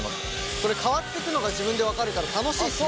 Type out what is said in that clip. これ変わっていくのが自分で分かるから楽しいですね